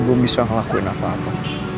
belum bisa ngelakuin apa apa